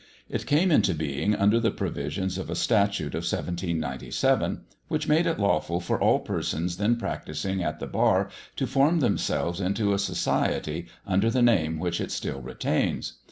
It came into being under the provisions of a statute of 1797, which made it lawful for all persons then practising at the bar to form themselves into a society, under the name which it still retains.